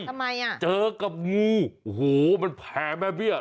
ทำไมอ่ะเจอกับงูโอ้โหมันแผลแม่เบี้ย